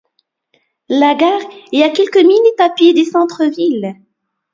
La gare est à quelques minutes à pied du centre-ville.